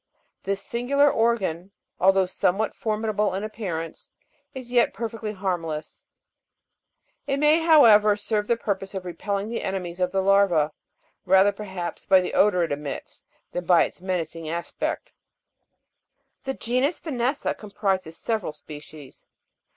This singular organ, although somewhat for midable in appearance, is yet perfectly harmless ; it may, however, serve the purpose of repelling the enemies of the larva, rather, perhaps, by the odour it emits, than by its menacing aspect. 20. The genus Vanessa comprises several species.